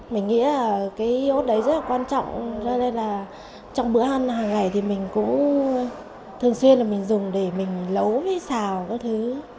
mình nghĩ là cái iốt đấy rất là quan trọng cho nên là trong bữa ăn hàng ngày thì mình cũng thường xuyên là mình dùng để mình lấu với xào các thứ